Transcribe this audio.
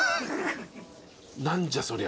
何じゃそりゃ。